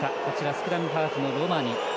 スクラムハーフのロマニ。